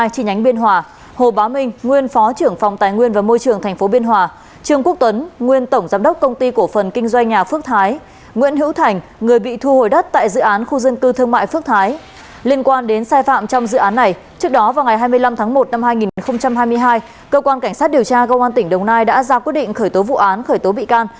cảnh sát điều tra công an tỉnh đồng nai đã ra quyết định khởi tố vụ án khởi tố bị can